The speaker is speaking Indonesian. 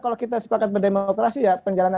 kalau kita sepakat berdemokrasi ya perjalanan